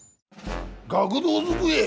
学童机！？